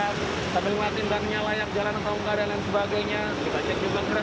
hai sampai ngeliatin namanya layak jalan atau enggak dan lain sebagainya kita cek juga keras